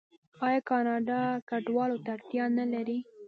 آیا کاناډا کډوالو ته اړتیا نلري؟